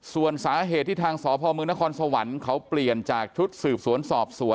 ส่วนสาเหตุที่ทางสพมนครสวรรค์เขาเปลี่ยนจากชุดสืบสวนสอบสวน